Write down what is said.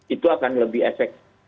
itu akan lebih efek